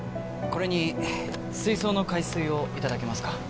これに水槽の海水をいただけますか？